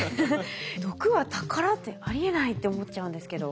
毒は宝ってありえないって思っちゃうんですけど。